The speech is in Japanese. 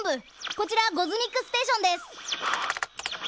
こちらゴズミックステーションです。